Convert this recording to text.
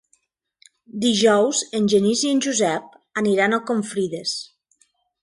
Dijous en Genís i en Josep aniran a Confrides.